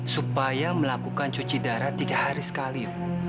supaya melakukan cuci darah tiga hari sekali